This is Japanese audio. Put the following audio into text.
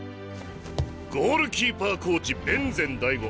ゴールキーパーコーチ弁禅醍悟。